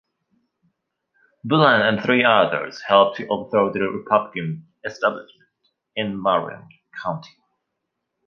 Bulen and three others helped to overthrow the Republican establishment in Marion County.